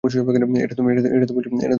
এটা তো বলেছে কখন আসতে হবে, ঠিক?